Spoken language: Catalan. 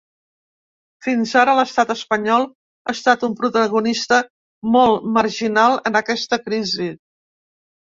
Fins ara, l’estat espanyol ha estat un protagonista molt marginal en aquesta crisi.